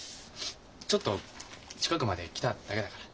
ちょっと近くまで来ただけだから。